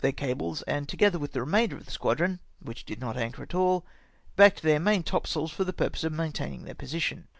their cables, and together with the remainder of the squadron, which did not anchor at all, backed their main top sails for the purpose of maintaining their posi tion.